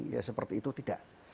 ya seperti itu tidak